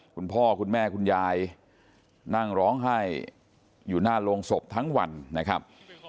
คุณพ่อคุณแม่คุณยายนั่งร้องไห้อยู่หน้าโรงศพทั้งวันนะครับ